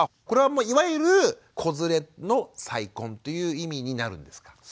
これはもういわゆる子連れの再婚という意味になるんですか？